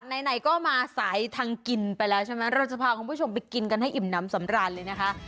ไหนก็มาสายทางกินไปแล้วใช่ไหมเราจะพาคุณผู้ชมไปกินกันให้อิ่มน้ำสำราญเลยนะคะ